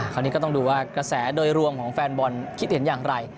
คราวนี้ก็ต้องดูว่ากระแสโดยรวมของแฟนบอลคิดเห็นอย่างไร